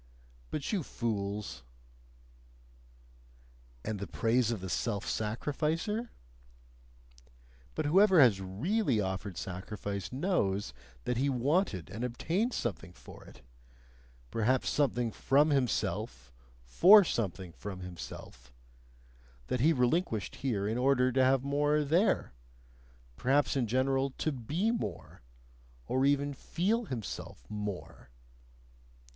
But you fools ! "And the praise of the self sacrificer?" But whoever has really offered sacrifice knows that he wanted and obtained something for it perhaps something from himself for something from himself; that he relinquished here in order to have more there, perhaps in general to be more, or even feel himself "more."